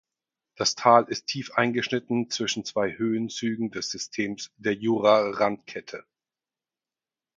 Das Tal ist tief eingeschnitten zwischen zwei Höhenzügen des Systems der Jura-Randkette.